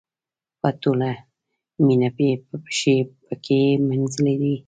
په ټوله مینه مې پښې پکې مینځلې وې.